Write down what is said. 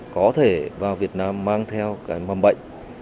có thể vào việt nam mang theo cái mầm bệnh